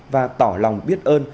và tỏ lòng biết ơn